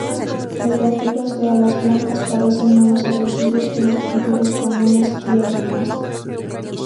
Los vampiros de alas blancas parecen menos agresivos que los vampiros comunes y además.